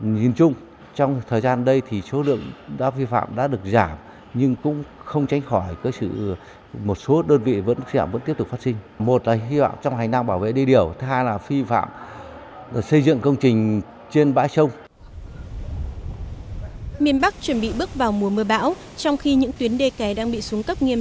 miền bắc chuẩn bị bước vào mùa mưa bão trong khi những tuyến đê kè đang bị xuống cấp nghiêm